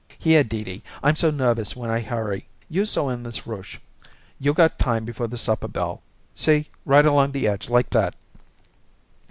"Here, Dee Dee, I'm so nervous when I hurry. You sew in this ruche; you got time before the supper bell. See, right along the edge like that."